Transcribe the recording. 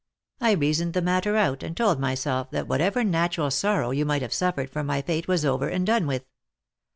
I reasoned the matter out, and told myself that whatever natural sorrow you might have suffered for my fate was over and done with.